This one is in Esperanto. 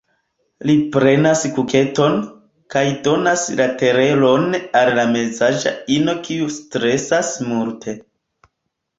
Li prenas kuketon, kaj donas la teleron al la mezaĝa ino kiu stresas multe.